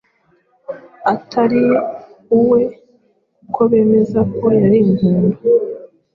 atari uwe kuko bemeza ko yari ingumba.